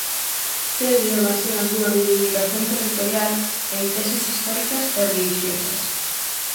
Serbia basea a súa reivindicación territorial en teses históricas e relixiosas.